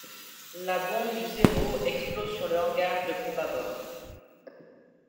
La bombe du Zero explose sur le hangar de pont bâbord.